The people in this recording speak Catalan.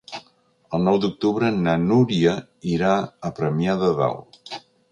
El nou d'octubre na Núria irà a Premià de Dalt.